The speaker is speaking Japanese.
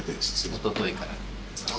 おとといから。